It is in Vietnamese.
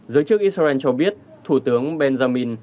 giới chức israel cho biết thủ tướng benjamin